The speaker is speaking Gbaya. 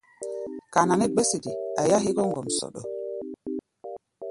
Kana nɛ́ gbɛ̧́ sede a yá hégɔ́ ŋgomsoɗo.